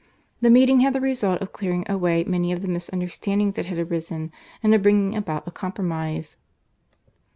The meeting had the result of clearing away many of the misunderstandings that had arisen, and of bringing about a compromise.